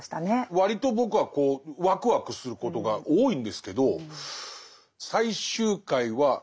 割と僕はワクワクすることが多いんですけど最終回は問題点をという。